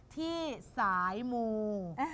ที่สายมู